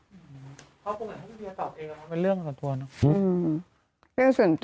อืมเพราะผมอยากให้เวียงตอบเองว่าเป็นเรื่องส่วนตัวเนอะ